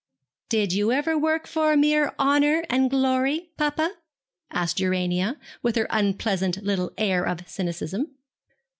'Did you ever work for mere honour and glory, papa?' asked Urania, with her unpleasant little air of cynicism.